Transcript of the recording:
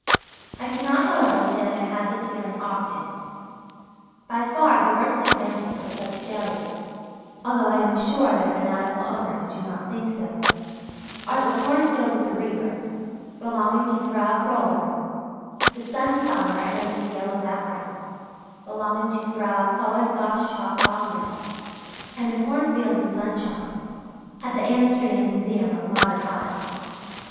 I cannot, however, say that I had this feeling often. By far the worst examples of such failures (although I am sure their fanatical owners do not think so) are the "Cornfield with the Reaper," belonging to Frau Kröller, the "Sunflower against a Yellow Background," belonging to Frau Cohen Gosschalk Bonger, and "A Cornfield in Sunshine," at the Amsterdam Museum of Modern Art.